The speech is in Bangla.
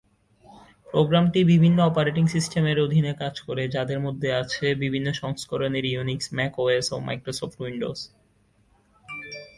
প্রোগ্রামটি বিভিন্ন অপারেটিং সিস্টেমের অধীনে কাজ করে, যাদের মধ্যে আছে বিভিন্ন সংস্করণের ইউনিক্স, ম্যাক ওএস, ও মাইক্রোসফট উইন্ডোজ।